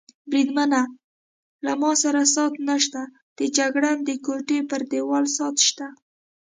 بریدمنه، له ما سره ساعت نشته، د جګړن د کوټې پر دېوال ساعت شته.